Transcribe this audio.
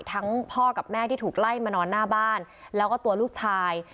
พ่อกับแม่ที่ถูกไล่มานอนหน้าบ้านแล้วก็ตัวลูกชาย